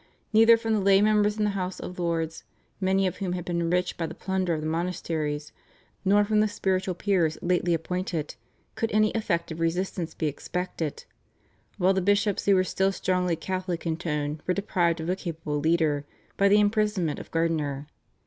Neither from the lay members in the House of Lords, many of whom had been enriched by the plunder of the monasteries, nor from the spiritual peers lately appointed, could any effective resistance be expected, while the bishops who were still strongly Catholic in tone were deprived of a capable leader by the imprisonment of Gardiner.